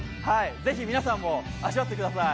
ぜひ皆さんも味わってください。